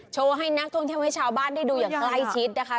ให้นักท่องเที่ยวให้ชาวบ้านได้ดูอย่างใกล้ชิดนะคะ